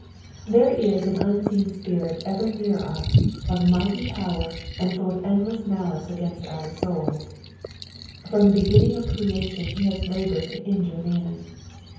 There is an unseen spirit ever near us, of mighty power, and full of endless malice against our souls. From the beginning of creation he has labored to injure man.